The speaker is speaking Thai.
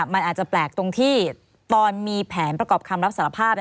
มันอาจจะแปลกตรงที่ตอนมีแผนประกอบคำรับสารภาพ